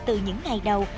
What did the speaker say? từ những ngày đầu